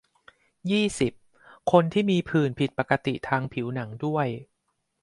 ยี่สิบ คน ที่มีผื่นผิดปกติทางผิวหนังด้วย